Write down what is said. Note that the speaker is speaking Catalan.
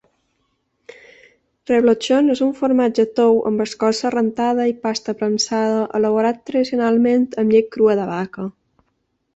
Reblochon és un formatge tou amb escorça rentada i pasta premsada elaborat tradicionalment amb llet crua de vaca.